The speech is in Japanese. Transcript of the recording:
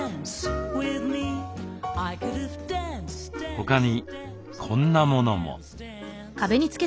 他にこんなものも。